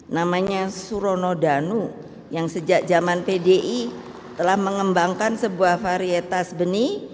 namanya surono danu yang sejak zaman pdi telah mengembangkan sebuah varietas benih